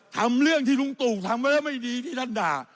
ทำเรื่องที่ลุงตู่ทำไว้แล้วไม่ดีที่ท่านด่า